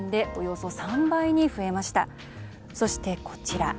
そして、こちら。